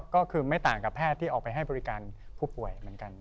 ก็คือไม่ต่างกับแพทย์ที่ออกไปให้บริการผู้ป่วยเหมือนกัน